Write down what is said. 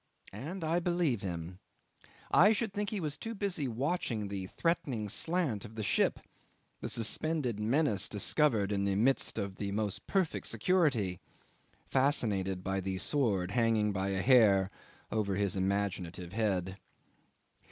And I believe him. I should think he was too busy watching the threatening slant of the ship, the suspended menace discovered in the midst of the most perfect security fascinated by the sword hanging by a hair over his imaginative head.